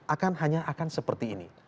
akan hanya akan seperti ini